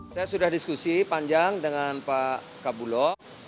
saya sudah diskusi panjang dengan pak kabulo